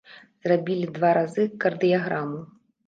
Зрабілі два разы кардыяграму.